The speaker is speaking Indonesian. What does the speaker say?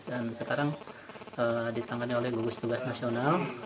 dan sekarang ditangani oleh gugus tugas nasional